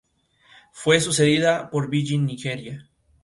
Fue sucedida por Virgin Nigeria.